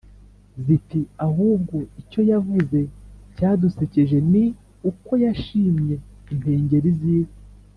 ziti: «ahubwo icyo yavuze cyadusekeje ni uko yashimye impengeri z'iwe